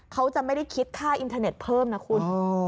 เขาจะไม่ได้คิดค่าอินเทอร์เน็ตเพิ่มนะคุณ